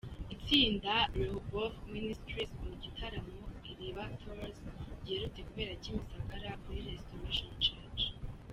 Itsinda Rehoboth Ministries mu gitaramo Iriba Tours giherutse kubera Kimisagara kuri Restoration church.